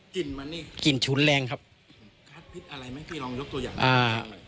กลิ่นมันนี่กลิ่นฉุนแรงครับอะไรมั้ยพี่ลองยกตัวอย่าง